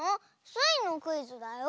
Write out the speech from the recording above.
スイのクイズだよ。